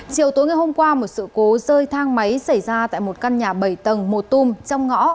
chiều tối ngày hôm qua một sự cố rơi thang máy xảy ra tại một căn nhà bảy tầng một tùm trong ngõ